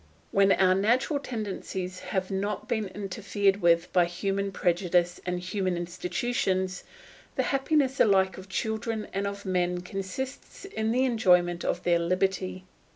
When our natural tendencies have not been interfered with by human prejudice and human institutions, the happiness alike of children and of men consists in the enjoyment of their liberty.